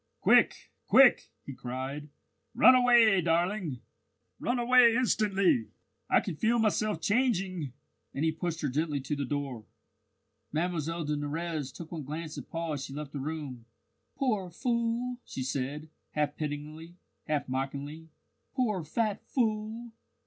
"Quick! quick!" he cried. "Run away, darling! run away instantly. I can feel myself changing!" and he pushed her gently to the door. Mlle de Nurrez took one glance at Paul as she left the room. "Poor fool!" she said, half pityingly, half mockingly. "Poor fat fool!